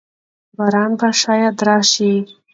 باران به شاید راشي.